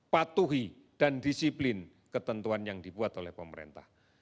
patuhi dan disiplin ketentuan yang dibuat oleh pemerintah